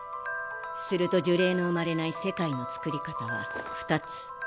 すると呪霊の生まれない世界のつくり方は２つ。